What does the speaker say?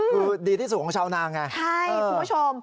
คือดีที่สุดของชาวนาไงใช่คุณผู้ชม